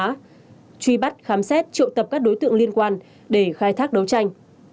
chủ đề đó là truy bắt khám xét trộ tập các đối tượng liên quan để khai thác đấu tranh